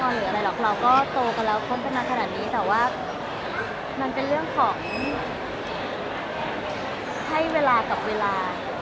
เราก็โตกันแล้วค่นขึ้นมาขนาดนี้แต่ว่ามันเป็นเรื่องของให้เวลากับเวลา